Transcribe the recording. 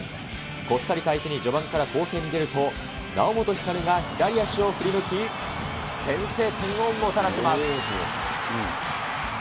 コスタリカ相手に序盤から攻勢に出ると、猶本光が左足を振り抜き、先制点をもたらします。